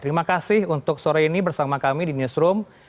terima kasih untuk sore ini bersama kami di newsroom